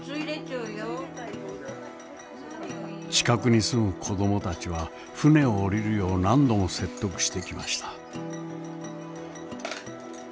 近くに住む子供たちは船を下りるよう何度も説得してきました。